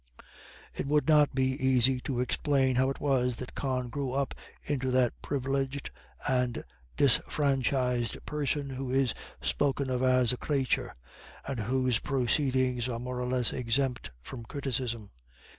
It would not be easy to explain how it was that Con grew up into that privileged and disfranchised person who is spoken of as "a crathur," and whose proceedings are more or less exempt from criticism.